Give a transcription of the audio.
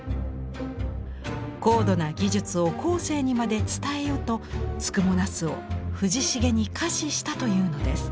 高度な技術を後世にまで伝えよと「付藻茄子」を藤重に下賜したというのです。